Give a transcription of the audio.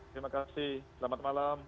terima kasih selamat malam